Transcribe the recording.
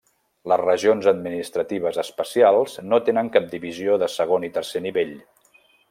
Les regions administratives especials no tenen cap divisió de segon i tercer nivell.